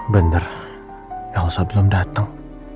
bener yang asal belum datang